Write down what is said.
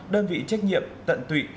đơn vị trách nhiệm tận tụy